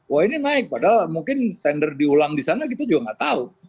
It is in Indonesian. wah ini naik padahal mungkin tender diulang di sana kita juga nggak tahu